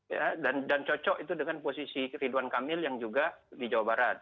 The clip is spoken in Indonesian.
ya dan cocok itu dengan posisi ridwan kamil yang juga di jawa barat